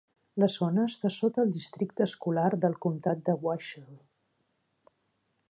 La zona està sota el districte escolar del Comtat de Washoe.